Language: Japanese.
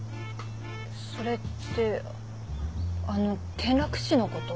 それってあの転落死のこと？